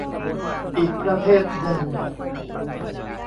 อีกประเทศหนึ่ง